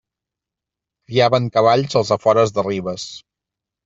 Criaven cavalls als afores de Ribes.